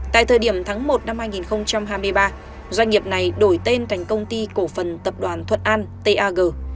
tại thời điểm tháng một năm hai nghìn hai mươi ba doanh nghiệp này đổi tên thành công ty cổ phần tập đoàn thuận an tag